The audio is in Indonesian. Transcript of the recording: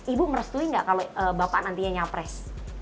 ibu merestui nggak kalau bapak nantinya nyapres